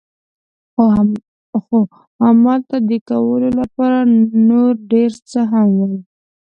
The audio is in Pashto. خو همالته د کولو لپاره نور ډېر څه هم ول.